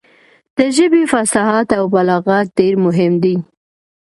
د ژبې فصاحت او بلاغت ډېر مهم دی.